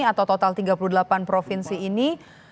atau total tiga puluh delapan provinsi ini